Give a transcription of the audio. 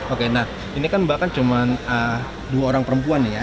oke nah ini kan bahkan cuma dua orang perempuan ya